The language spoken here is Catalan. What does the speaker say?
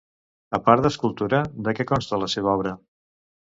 A part d'escultura, de què consta la seva obra?